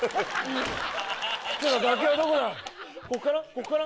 ここかな？